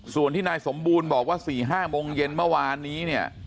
ส่วนที่นายสมบูรณ์บอกว่า๔๕โมงเย็นเมื่อวานนี้เนี่ย